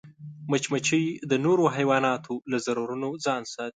مچمچۍ د نورو حیواناتو له ضررونو ځان ساتي